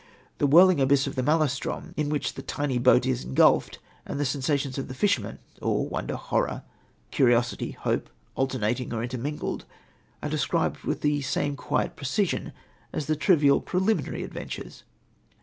The whirling abyss of the Maelstrom in which the tiny boat is engulfed, and the sensations of the fishermen awe, wonder, horror, curiosity, hope, alternating or intermingled are described with the same quiet precision as the trivial preliminary adventures.